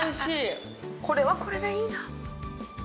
これはこれでいいな。